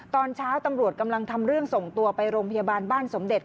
ตอนเช้าตำรวจกำลังทำเรื่องส่งตัวไปโรงพยาบาลบ้านสมเด็จ